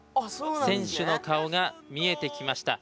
選手の顔が見えてきました。